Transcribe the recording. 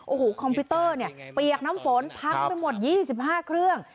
โอ้โหคอมพิวเตอร์เนี่ยเปียกน้ำฝนพังไปหมด๒๕เครื่อง